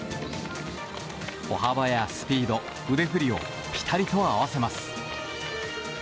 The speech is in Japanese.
歩幅やスピード腕振りをぴたりと合わせます。